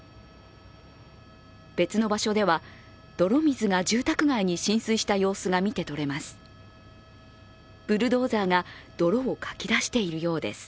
別の場所では泥水が住宅街に浸水した様子が見てとれます。